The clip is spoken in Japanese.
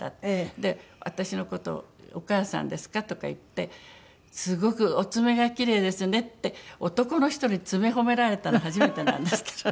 で私の事を「お母さんですか？」とか言って「すごくお爪がキレイですね」って男の人に爪褒められたの初めてなんですけど。